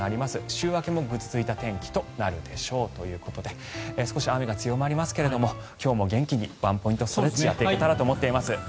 週明けもぐずついた天気となるでしょう。ということで少し雨が強まりますが今日も元気にワンポイントストレッチをやっていけたらと思っています。